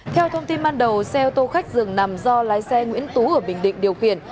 theo thông tin ban đầu xe ô tô khách dường nằm do lái xe nguyễn tú ở bình định điều khiển